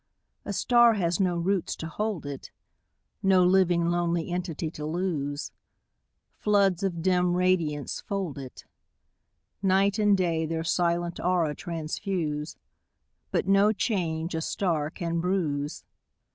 A star has do roots to hold it, No living lonely entity to lose. Floods of dim radiance fold it ; Night and day their silent aura transfuse, But no change a star oan bruise.